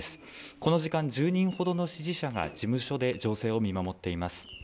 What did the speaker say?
この時間、１０人ほどの支持者が、事務所で情勢を見守っています。